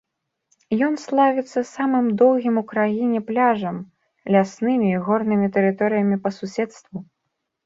Ён славіцца самым доўгім у краіне пляжам, ляснымі і горнымі тэрыторыямі па суседству.